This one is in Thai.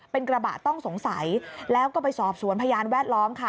เป็นกระบะต้องสงสัยแล้วก็ไปสอบสวนพยานแวดล้อมค่ะ